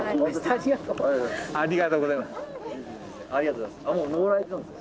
ありがとうございます。